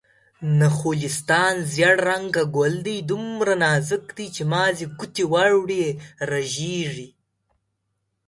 نخلستان: زيړ رنګه ګل دی، دومره نازک دی چې مازې ګوتې ور وړې رژيږي